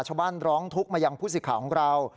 ชาวบ้านร้องทุกข์มายังพู่สิทธิ์ขาวของเรา